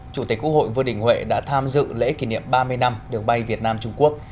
chủ tịch quốc hội vương đình huệ đã tham dự lễ kỷ niệm ba mươi năm đường bay việt nam trung quốc